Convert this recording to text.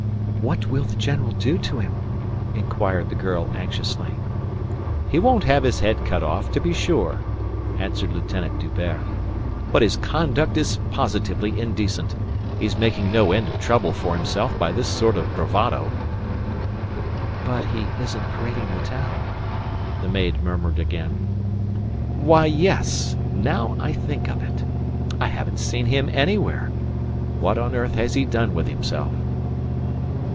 "What will the general do to him?" inquired the girl anxiously. "He won't have his head cut off, to be sure," answered Lieutenant D'Hubert. "But his conduct is positively indecent. He's making no end of trouble for himself by this sort of bravado." "But he isn't parading the town," the maid murmured again. "Why, yes! Now I think of it. I haven't seen him anywhere. What on earth has he done with himself?"